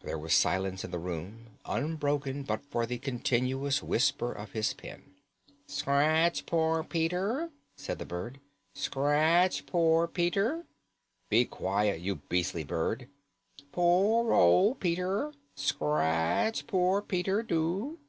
There was silence in the room, unbroken but for the continuous whisper of his pen. "Scratch poor Peter," said the bird. "Scratch poor old Peter!" "Be quiet, you beastly bird!" "Poor old Peter! Scratch poor Peter, do."